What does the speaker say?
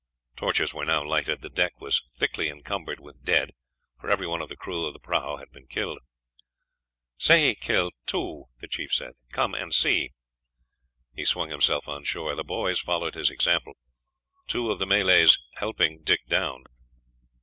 Torches were now lighted. The deck was thickly encumbered with dead; for every one of the crew of the prahu had been killed. "Sehi killed too," the chief said, "come and see." He swung himself on shore; the boys followed his example, two of the Malays helping Dick down.